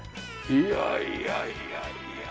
いやいやいや。